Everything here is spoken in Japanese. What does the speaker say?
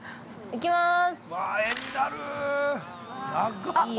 いきます。